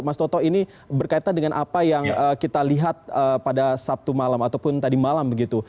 mas toto ini berkaitan dengan apa yang kita lihat pada sabtu malam ataupun tadi malam begitu